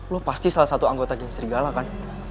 lo pasti salah satu anggota geng serigala kan